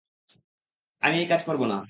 আমি এই কাজ করব না।